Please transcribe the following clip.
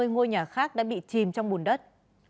ba mươi ngôi nhà khác đã bị chìm trong bùn đất